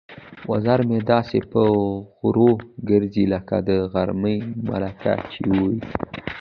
وزه مې داسې په غرور ګرځي لکه د غره ملکه چې وي.